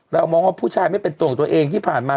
เรามองว่าผู้ชายไม่เป็นตัวของตัวเองที่ผ่านมา